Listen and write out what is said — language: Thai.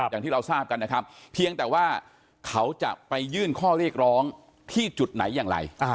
อย่างที่เราทราบกันนะครับเพียงแต่ว่าเขาจะไปยื่นข้อเรียกร้องที่จุดไหนอย่างไร